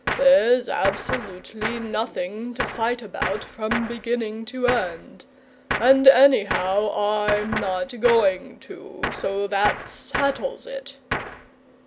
There's absolutely nothing to fight about, from beginning to end. And anyhow I'm not going to, so that settles it!"